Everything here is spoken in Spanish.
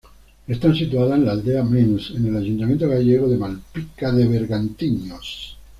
Están situadas en la aldea Mens, en el ayuntamiento gallego de Malpica de Bergantiños.